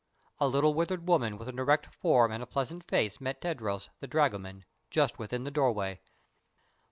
A little withered woman with an erect form and a pleasant face met Tadros, the dragoman, just within the doorway.